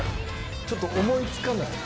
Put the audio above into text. ちょっと思いつかない。